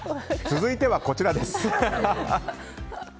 続いてはこちらです。